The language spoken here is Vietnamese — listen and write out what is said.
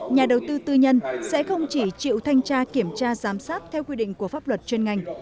nhà đầu tư tư nhân sẽ không chỉ chịu thanh tra kiểm tra giám sát theo quy định của pháp luật chuyên ngành